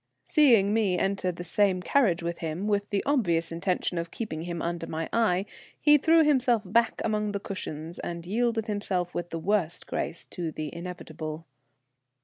Seeing me enter the same carriage with him, with the obvious intention of keeping him under my eye, he threw himself back among the cushions and yielded himself with the worst grace to the inevitable.